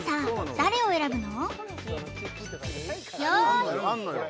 誰を選ぶの？